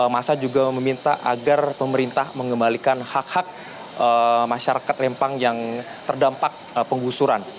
masa juga meminta agar pemerintah mengembalikan hak hak masyarakat rempang yang terdampak penggusuran